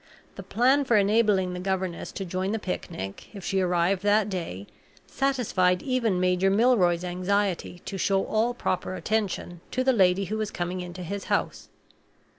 The plan for enabling the governess to join the picnic, if she arrived that day, satisfied even Major Milroy's anxiety to show all proper attention to the lady who was coming into his house.